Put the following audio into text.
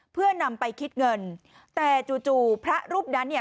เพื่อนำไปคิดเงินแต่จู่จู่พระรูปนั้นเนี่ย